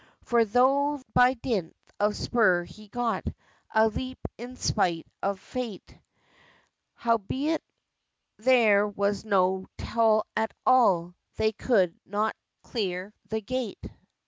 For tho' by dint of spur he got A leap in spite of fate Howbeit there was no toll at all, They could not clear the gate.